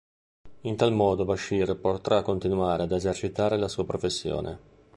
In tal modo Bashir potrà continuare ad esercitare la sua professione.